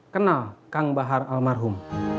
kenal kang bahar almarhum